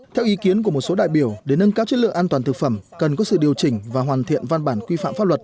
theo ý kiến của một số đại biểu để nâng cao chất lượng an toàn thực phẩm